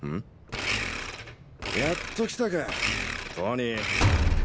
やっと来たかトニー。